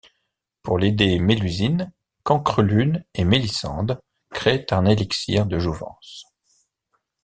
Pour l'aider Mélusine, Cancrelune et Mélisande créent un élixir de jouvence.